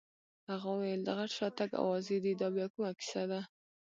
هغه وویل: د غټ شاتګ اوازې دي، دا بیا کومه کیسه ده؟